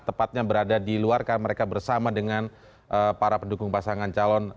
tepatnya berada di luar karena mereka bersama dengan para pendukung pasangan calon